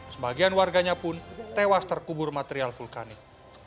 sebagian warganya pun tewas terkubur material vulkanik